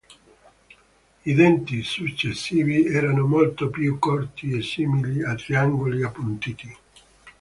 I denti successivi erano molto più corti e simili a triangoli appuntiti.